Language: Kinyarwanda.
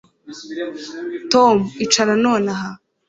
Tom icara nonaha